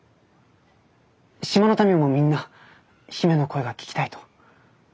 島の民もみんな姫の声が聞きたいと。